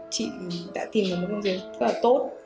chị đã tìm được một con giới rất là tốt